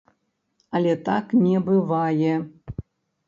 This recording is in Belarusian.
Але так не бывае!